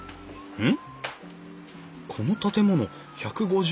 うん？